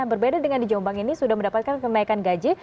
yang berbeda dengan di jombang ini sudah mendapatkan kenaikan gaji